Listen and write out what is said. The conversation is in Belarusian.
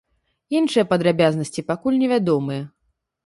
Іншыя падрабязнасці пакуль невядомыя.